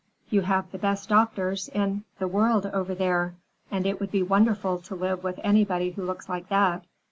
You'd have the best doctors in the world over there, and it would be wonderful to live with anybody who looks like that."